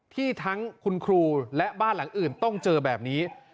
ที่ทั้งคุณครูและบ้านหลังอื่นต้องเจอแบบนี้